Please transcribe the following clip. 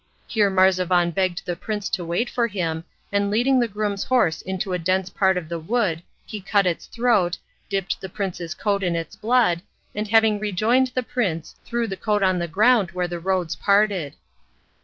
Here Marzavan begged the prince to wait for him, and leading the groom's horse into a dense part of the wood he cut its throat, dipped the prince's coat in its blood, and having rejoined the prince threw the coat on the ground where the roads parted.